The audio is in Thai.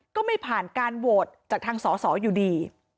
ก็ไม่ผ่านการโหวตจากทางสอสออยู่ดี